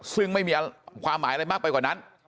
ซึ่งไม่มีความหมายอะไรมากไปกว่านั้น